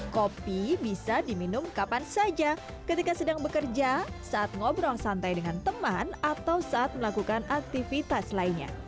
kopi bisa diminum kapan saja ketika sedang bekerja saat ngobrol santai dengan teman atau saat melakukan aktivitas lainnya